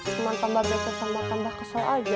cuma tambah bete tambah tambah kesel aja